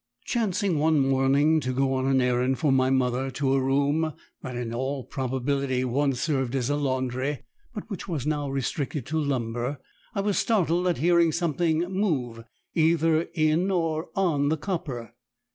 Chancing one morning to go on an errand for my mother to a room that had in all probability once served as a laundry, but which was now restricted to lumber, I was startled at hearing something move either in or on the copper.